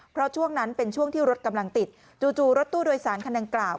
เพราะช่วงนั้นเป็นช่วงที่รถกำลังติดจู่รถตู้โดยสารคันดังกล่าว